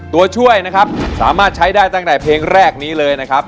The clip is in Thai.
ตัวช่วยนะครับสามารถใช้ได้ตั้งแต่เพลงแรกนี้เลยนะครับ